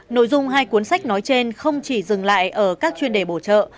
nội dung hai cuốn sách nói trên không chỉ dừng lại ở các chuyên đề bổ trợ